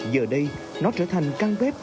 giờ đây nó trở thành căn bếp